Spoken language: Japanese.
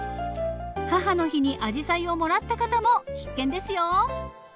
母の日にアジサイをもらった方も必見ですよ。